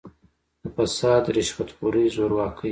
د «فساد، رشوت خورۍ، زورواکۍ